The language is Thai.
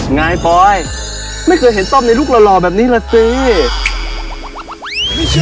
ไงปลอยไม่เคยเห็นต้อมในลูกหล่อแบบนี้แหละสิ